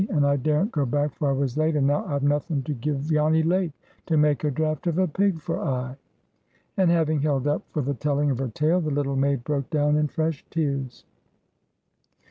And I daren't go back, for I was late; and now I've nothin' to give Janny Lake to make a draft of a pig for I." And, having held up for the telling of her tale, the little maid broke down in fresh tears.